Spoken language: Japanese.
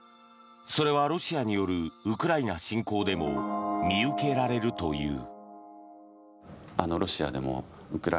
それはロシアによるウクライナ侵攻でも見受けられるという。